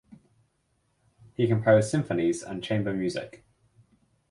He composed symphonies and chamber music.